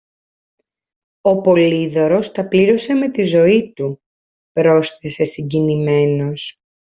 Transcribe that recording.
Ο Πολύδωρος τα πλήρωσε με τη ζωή του, πρόσθεσε συγκινημένος.